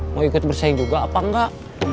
mau ikut bersaing juga apa enggak